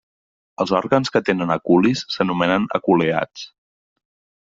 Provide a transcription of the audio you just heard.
Els òrgans que tenen aculis s'anomenen aculeats.